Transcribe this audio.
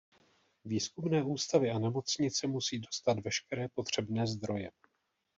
Výzkumné ústavy a nemocnice musí dostat veškeré potřebné zdroje.